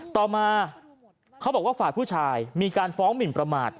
ต่อมาเขาบอกว่าฝ่ายผู้ชายมีการฟ้องหมินประมาท